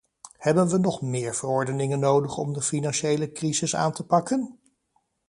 Hebben we nog meer verordeningen nodig om de financiële crisis aan te pakken?